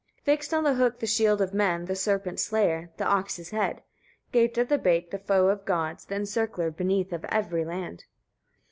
22. Fixed on the hook the shield of men, the serpent's slayer, the ox's head. Gaped at the bait the foe of gods, the encircler beneath of every land.